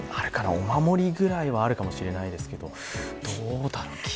お守りぐらいはあるかもしれないですけど、どうだろう